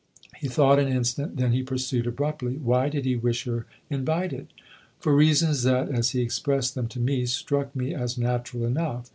He thought an instant, then he pursued abruptly :" Why did he wish her nvited ?"" For reasons that, as he expressed them to me, struck me as natural enough.